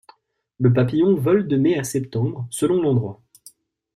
Le papillon vole de mai à septembre selon l'endroit.